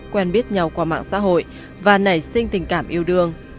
quen biết nhau qua mạng xã hội và nảy sinh tình cảm yêu đương